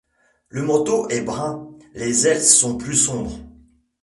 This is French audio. Le manteau est brun, les ailes sont plus sombres.